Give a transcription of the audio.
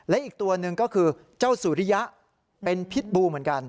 และอีกตัวหนึ่งก็คือเจ้าสุริยะเป็นพิษบูเหมือนกัน